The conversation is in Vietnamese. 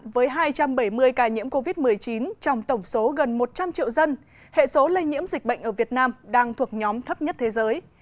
với hai trăm bảy mươi ca nhiễm covid một mươi chín trong tổng số gần một trăm linh triệu dân hệ số lây nhiễm dịch bệnh ở việt nam đang thuộc nhóm thấp nhất thế giới